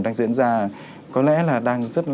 đang diễn ra có lẽ là đang